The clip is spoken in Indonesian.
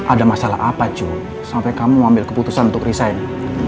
ada masalah apa cuy sampai kamu mau ambil keputusan untuk resign